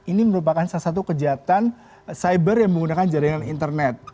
ini merupakan salah satu kejahatan cyber yang menggunakan jaringan internet